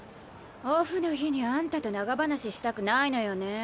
オフの日にあんたと長話したくないのよね。